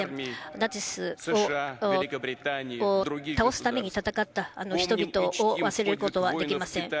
ナチスを倒すために戦った人々を忘れることはできません。